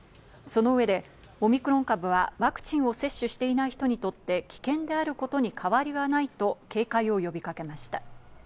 その上でオミクロン株はワクチンを接種していない人にとって危険であることに変わりはないと警戒を呼びかけました。